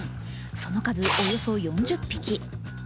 その数、およそ４０匹。